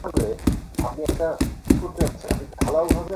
রাতে রনি ফায়ার সার্ভিসের পেছনের গলি দিয়ে হেঁটে বাড়ির দিকে যাচ্ছিলেন।